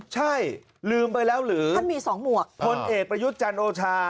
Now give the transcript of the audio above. ใช่ลืมไปแล้วหรือท่านมีสองหมวกพลเอกประยุทธ์จันโอชา